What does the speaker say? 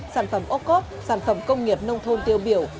sản phẩm ốc ốc sản phẩm công nghiệp nông thôn tiêu biểu